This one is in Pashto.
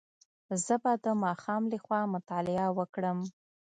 زه به د ماښام له خوا مطالعه وکړم.